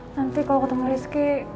nanti kalau ketemu rizky